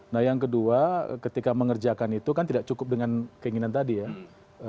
nah yang kedua ketika mengerjakan itu kan tidak cukup dengan keinginan tadi ya